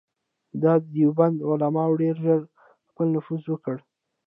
د دیوبند علماوو ډېر ژر خپل نفوذ وکړ.